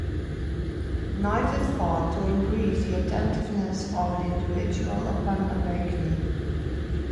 Noise is thought to increase the attentiveness of an individual upon awakening.